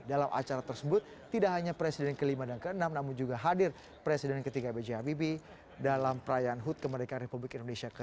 dalam acara tersebut tidak hanya presiden ke lima dan ke enam namun juga hadir presiden ke tiga bja bibi dalam perayaan hud kemerdekaan republik indonesia ke tujuh puluh dua